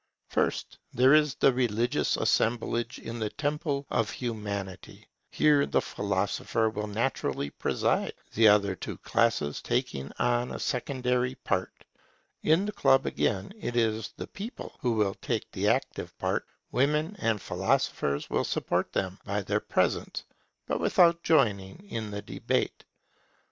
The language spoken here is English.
First, there is the religious assemblage in the Temple of Humanity. Here the philosopher will naturally preside, the other two classes taking on a secondary part. In the Club again it is the people who will take the active part; women and philosophers would support them by their presence, but without joining in the debate.